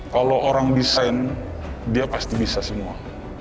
kalau orang desain dia pasti bisa semua